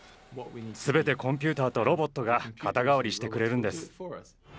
全てコンピューターとロボットが肩代わりしてくれるんです。